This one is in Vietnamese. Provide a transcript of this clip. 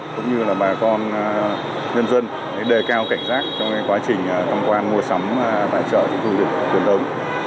cũng như là bà con nhân dân để đề cao cảnh giác trong quá trình tầm quan mua sắm và trợ trùng thu được tuyên đống